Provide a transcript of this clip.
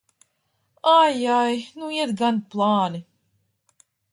Ai, ai! Nu iet gan plāni!